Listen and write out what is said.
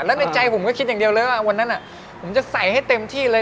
แล้วในใจผมก็คิดอย่างเดียวเลยว่าวันนั้นผมจะใส่ให้เต็มที่เลย